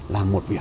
là một việc